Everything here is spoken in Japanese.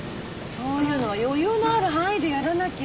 そういうのは余裕のある範囲でやらなきゃ。